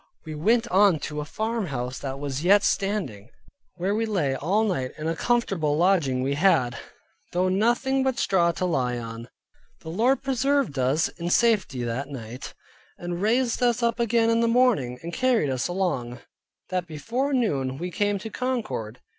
We went on to a farmhouse that was yet standing, where we lay all night, and a comfortable lodging we had, though nothing but straw to lie on. The Lord preserved us in safety that night, and raised us up again in the morning, and carried us along, that before noon, we came to Concord.